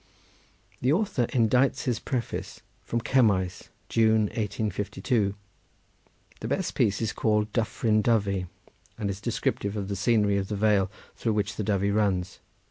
The author indites his preface from Cemmaes, June, 1852. The best piece is called "Dyffryn Dyfi"; and is descriptive of the scenery of the vale through which the Dyfi runs.